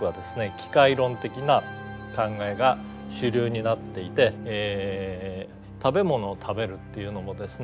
機械論的な考えが主流になっていて食べ物を食べるっていうのもですね